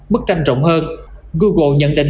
mức tranh rộng hơn google nhận định